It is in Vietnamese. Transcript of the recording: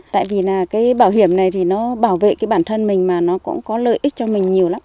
tại vì là cái bảo hiểm này thì nó bảo vệ cái bản thân mình mà nó cũng có lợi ích cho mình nhiều lắm